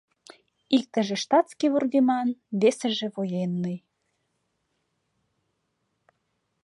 Иктыже штатский вургеман, весыже военный.